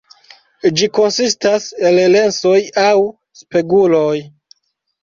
Ĝi konsistas el lensoj aŭ speguloj.